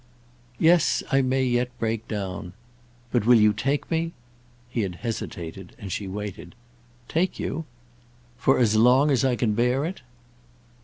"Yes, I may yet break down. But will you take me—?" He had hesitated, and she waited. "Take you?" "For as long as I can bear it."